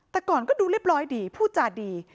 แต่ก่อนก็ดูเรียบร้อยดีพูดจาดี